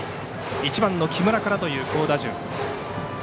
１番の木村からという好打順。